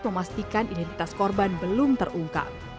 memastikan identitas korban belum terungkap